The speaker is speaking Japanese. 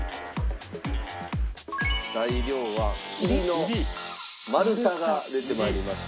材料は桐の丸太が出て参りました。